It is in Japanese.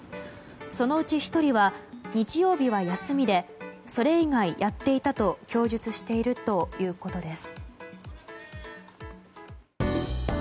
そのうち１人は日曜日は休みでそれ以外やっていたと供述しているということです。